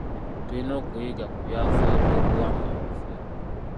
Tuyina okuyiga ku byafaayo by'obuwangwa bwaffe.